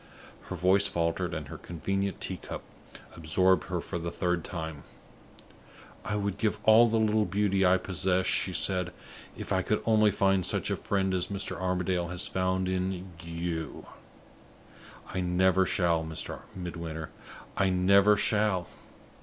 Her voice faltered, and her convenient tea cup absorbed her for the third time. "I would give all the little beauty I possess," she said, "if I could only find such a friend as Mr. Armadale has found in you. I never shall, Mr. Midwinter I never shall.